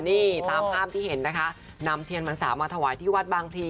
นี่ตามภาพที่เห็นนะคะนำเทียนพรรษามาถวายที่วัดบางพลี